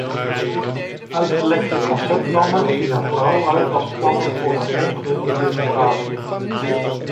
Uitgelekte conceptplannen zien er vooral uit als plannen voor een ongehinderde invasie.